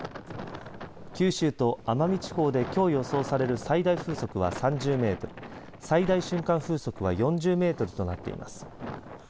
九州と奄美地方できょう予想される最大風速は３０メートル、最大瞬間風速は４０メートルとなっています。